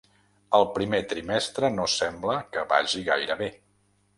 El primer trimestre no sembla que vagi gaire bé.